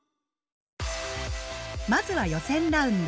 まずは予選ラウンド。